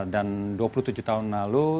dan dua puluh tujuh tahun lalu